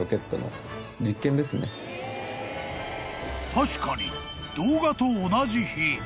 ［確かに動画と同じ日］